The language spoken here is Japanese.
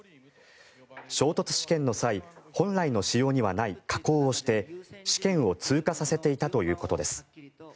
衝突試験の際本来の仕様にはない加工をして試験を通過させていたということです。